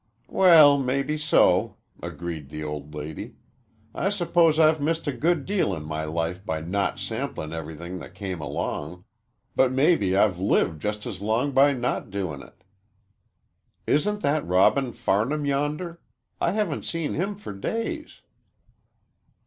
"Well, mebbe so," agreed the old lady. "I suppose I've missed a good deal in my life by not samplin' everything that came along, but mebbe I've lived just as long by not doin' it. Isn't that Robin Farnham yonder? I haven't seen him for days."